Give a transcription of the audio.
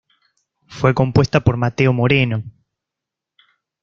Fue compuesta por Mateo Moreno.